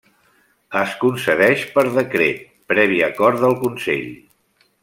Es concedeix per decret, previ acord del Consell.